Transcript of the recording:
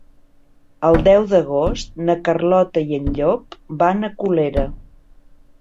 El deu d'agost na Carlota i en Llop van a Colera.